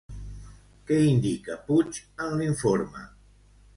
Què indica Puig en l'informe?